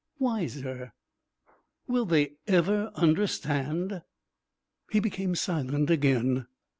Wiser.... "Will they ever understand?" He became silent again.